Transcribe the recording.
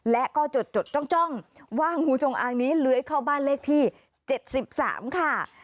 และก็จดจ้องว่างูจงอางนี้เลื้อยเข้าบ้านเลขที่๗๓ค่ะ